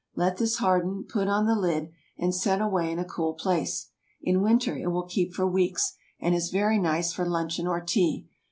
Let this harden, put on the lid, and set away in a cool place. In winter it will keep for weeks, and is very nice for luncheon or tea.